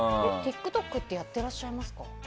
ＴｉｋＴｏｋってやってらっしゃいますか？